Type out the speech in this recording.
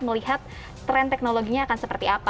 melihat tren teknologinya akan seperti apa